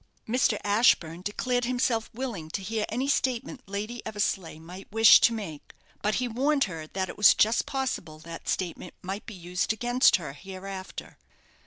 Mr. Ashburne declared himself willing to hear any statement Lady Eversleigh might wish to make; but he warned her that it was just possible that statement might be used against her hereafter.